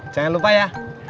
jangan lupa ya